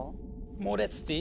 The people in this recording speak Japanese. モレツティ。